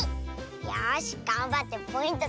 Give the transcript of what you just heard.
よしがんばってポイント